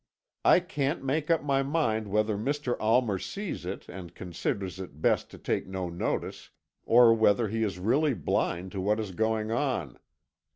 I can't make up my mind whether Mr. Almer sees it, and considers it best to take no notice, or whether he is really blind to what is going on.